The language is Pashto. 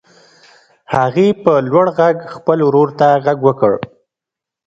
هغې په لوړ غږ خپل ورور ته غږ وکړ.